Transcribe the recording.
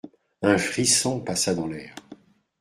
Un frisson passa dans l'air.